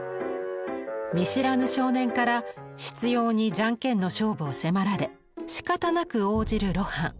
見知らぬ少年から執ように「ジャンケン」の勝負を迫られしかたなく応じる露伴。